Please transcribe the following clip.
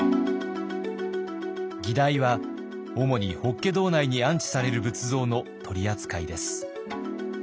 議題は主に法華堂内に安置される仏像の取り扱いです。